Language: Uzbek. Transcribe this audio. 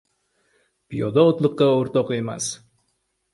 • Piyoda otliqqa o‘rtoq emas.